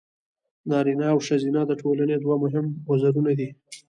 نارینه او ښځینه د ټولنې دوه مهم وزرونه دي.